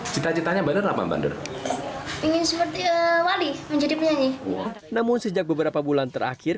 cita citanya bandar lapa bandar ingin seperti wali menjadi penyanyi namun sejak beberapa bulan terakhir